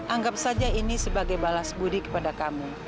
anggap saja ini sebagai balas budi kepada kamu